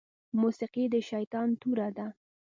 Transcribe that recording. موسيقي د شيطان توره ده